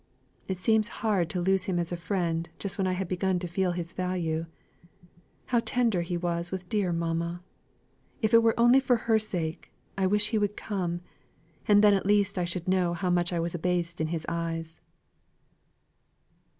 It seems hard to lose him as a friend just when I had begun to feel his value. How tender he was with dear mamma! If it were only for her sake, I wish he would come, and then at least I should know how much I was abased in his eyes."